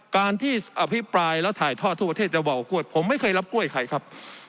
การที่อภิปรายแล้วถ่ายทอดทั่วประเทศจะว่าวกล้วยผมไม่เคยรับกล้วยใครครับ